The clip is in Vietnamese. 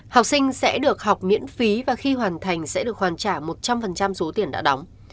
học sinh sẽ được học miễn phí và khi hoàn thành sẽ được hoàn trả một trăm linh số tiền đã đóng